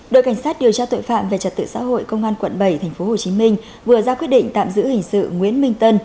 đội cảnh sát điều tra tội phạm về trật tự xã hội công an quận bảy tp hcm vừa ra quyết định tạm giữ hình sự nguyễn minh tân